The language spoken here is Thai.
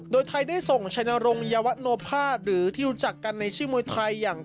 โดยไทยได้ส่งชัยนรงยาวัตโนภาษหรือที่รู้จักกันในชื่อมวยไทยอย่าง